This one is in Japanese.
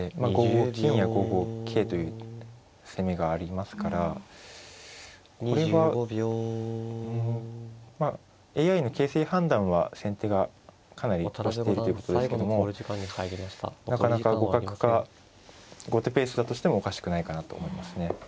５五金や５五桂という攻めがありますからこれはうんまあＡＩの形勢判断は先手がかなり押しているということですけどもなかなか互角か後手ペースだとしてもおかしくないかなと思いますね。